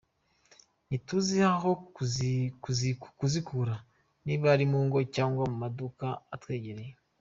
Ntituzi aho bazikura niba ari mu ngo cyangwa mu maduka atwegereye.